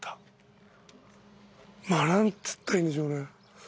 まあ何つったらいいんでしょうね。